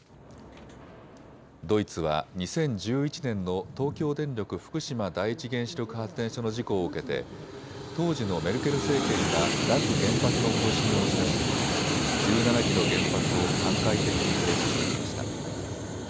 ドイツは２０１１年の東京電力福島第一原子力発電所の事故を受けて当時のメルケル政権が脱原発の方針を打ち出し１７基の原発を段階的に停止してきました。